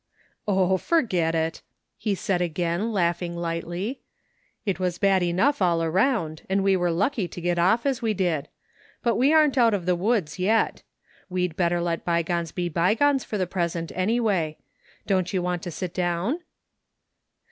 " Oh, forget it !" he said again, laughing lightly. " It was bad enough all aroimd, and we were lucky to get off as we did. But we aren't out of the woods 47 THE FINDING OF JASPER HOLT yet. We'd better let bygones be bygones for the present anyway. Don't you want to sit down?